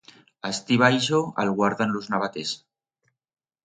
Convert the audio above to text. Astí baixo alguardan los navaters.